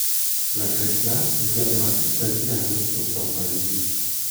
Malgré cela, elle gardera toute sa vie un amour constant pour la musique.